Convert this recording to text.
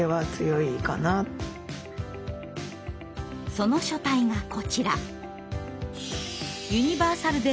その書体がこちら。